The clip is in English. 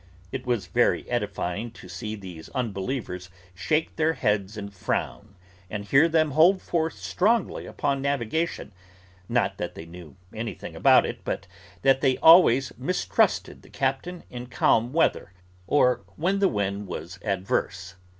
It was very edifying to see these unbelievers shake their heads and frown, and hear them hold forth strongly upon navigation: not that they knew anything about it, but that they always mistrusted the captain in calm weather, or when the wind was adverse.